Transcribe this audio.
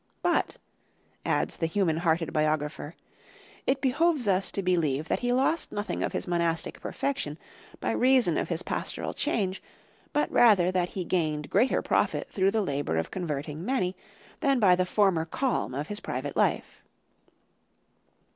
"But," adds the human hearted biographer, "it behoves us to believe that he lost nothing of his monastic perfection by reason of his pastoral charge, but rather that he gained greater profit through the labour of converting many, than by the former calm of his private life."